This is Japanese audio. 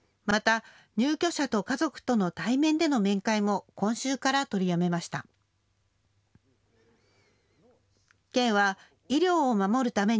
また、入居者と家族との対面での面会も今週から取りやめました。